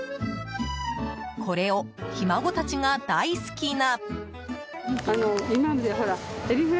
これを、ひ孫たちが大好きな。